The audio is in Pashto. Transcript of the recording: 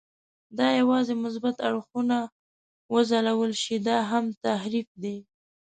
که یوازې مثبت اړخونه وځلول شي، دا هم تحریف دی.